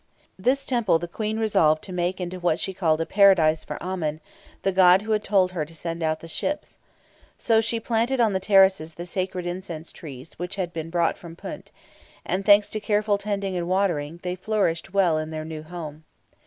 This temple the Queen resolved to make into what she called a Paradise for Amen, the god who had told her to send out the ships. So she planted on the terraces the sacred incense trees which had been brought from Punt; and, thanks to careful tending and watering, they flourished well in their new home.